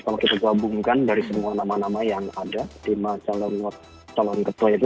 kalau kita gabungkan dari semua nama nama yang ada di majalah nama calon kepala itu